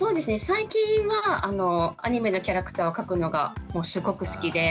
最近はアニメのキャラクターを描くのがすごく好きで。